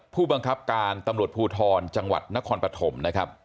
ผู้บังคับการตำรวจภูทรจังหวัดนครปฐมนะครับ